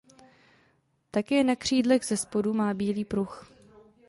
Také na křídlech zespodu má bílý pruh.